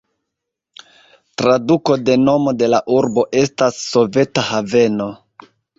Traduko de nomo de la urbo estas "soveta haveno".